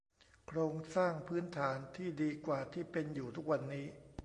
โครงสร้างพื้นฐานที่ดีกว่าที่เป็นอยู่ทุกวันนี้